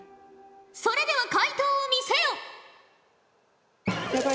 それでは回答を見せよ！